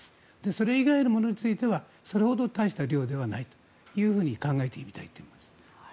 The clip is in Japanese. それ以外のものについてはそれほど大した量ではないと考えていいと思います。